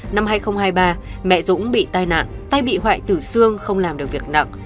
năm hai nghìn hai mươi ba mẹ dũng bị tai nạn tai bị hoại tử xương không làm được việc nặng